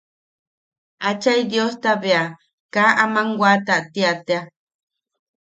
Achai Diosta bea kaa aman a wata tia tea.